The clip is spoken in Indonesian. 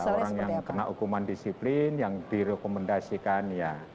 orang yang kena hukuman disiplin yang direkomendasikan ya